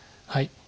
はい。